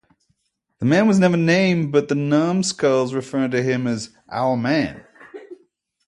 The man was never named, but the Numskulls referred to him as "our Man".